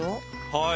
はい。